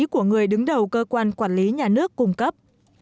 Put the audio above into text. của người đứng đầu cơ quan quản lý nhà nước cung cấp